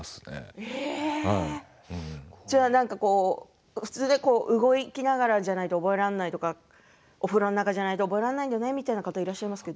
じゃあ動きながらじゃないと覚えられないとかお風呂の中じゃないと覚えられないんじゃないという方がいらっしゃいますけれど。